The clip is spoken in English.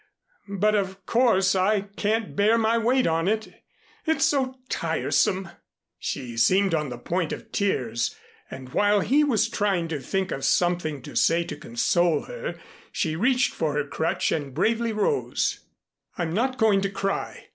But, of course, I can't bear my weight on it. It's so tiresome." She seemed on the point of tears, and while he was trying to think of something to say to console her, she reached for her crutch and bravely rose. "I'm not going to cry.